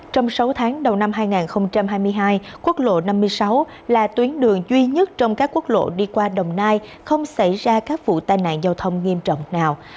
trong sáu tháng đầu năm hai nghìn hai mươi hai quốc lộ năm mươi sáu là tuyến đường duy nhất trong các quốc lộ đi qua đồng nai không xảy ra các vụ tai nạn giao thông nghiêm trọng nào